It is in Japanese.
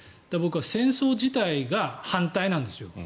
僕は戦争自体が反対なんですよ